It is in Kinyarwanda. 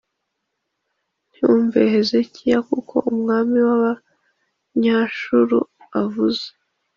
Ntimwumve Hezekiya, kuko umwami w’Abanyashuru avuze